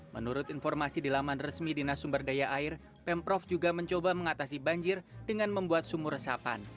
menurut informasi di laman resmi dinas sumber daya air pemprov juga mencoba mengatasi banjir dengan membuat sumur resapan